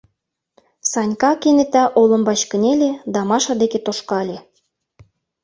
Санька кенета олымбач кынеле да Маша деке тошкале.